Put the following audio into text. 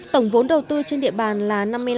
tổng vốn đầu tư trên địa bàn là năm mươi năm